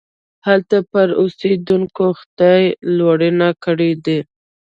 هلته پر اوسېدونکو خدای لورينې کړي دي.